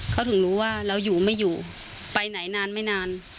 เขาถึงรู้ว่าเราอยู่ไม่อยู่ไปไหนนานไม่นาน